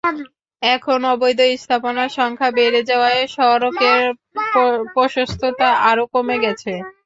এখন অবৈধ স্থাপনার সংখ্যা বেড়ে যাওয়ায় সড়কের প্রশস্ততা আরও কমে গেছে।